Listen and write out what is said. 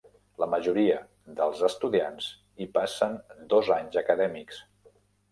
La majoria dels estudiants hi passen dos anys acadèmics.